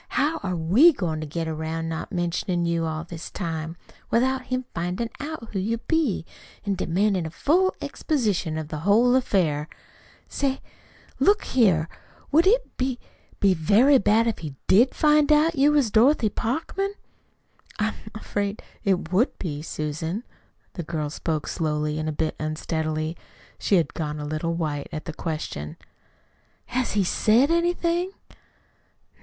How are we goin' to get 'round not mentionin' you all this time, without his findin' out who you be an' demandin' a full exposition of the whole affair. Say, look a here, would it be be very bad if he DID find out you was Dorothy Parkman?" "I'm afraid it would be, Susan." The girl spoke slowly, a bit unsteadily. She had gone a little white at the question. "Has he SAID anything?"